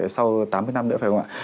sau tám mươi năm nữa phải không ạ